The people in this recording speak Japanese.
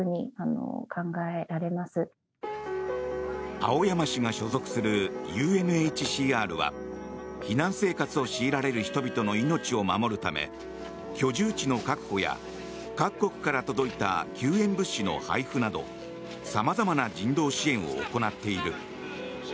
青山氏が所属するＵＮＨＣＲは避難生活を強いられる人々の命を守るため居住地の確保や、各国から届いた救援物資の配布などさまざまな人道支援を行っている。